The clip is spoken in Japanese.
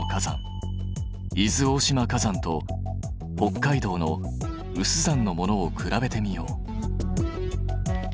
伊豆大島火山と北海道の有珠山のものを比べてみよう。